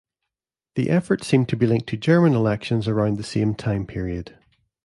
The effort seemed to be linked to German elections around the same time period.